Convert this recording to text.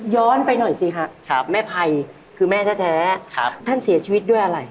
ใช่ครับเรียกแม่ปุ๊บครับ